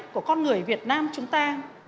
của con người việt nam chúng ta